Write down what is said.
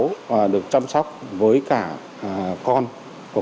khi vô đây tôi cũng có con nhỏ